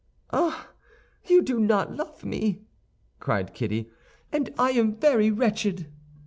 "Ah, you do not love me!" cried Kitty, "and I am very wretched."